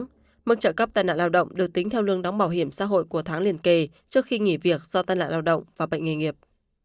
trường hợp người lao động bị tàn nạn lao động được tính theo lương đóng bảo hiểm xã hội của tháng liền kề trước khi nghỉ việc do tàn nạn lao động và bệnh nghề nghiệp